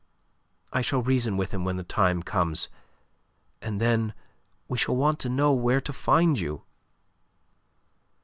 I shall reason with him when the time comes. And then we shall want to know where to find you."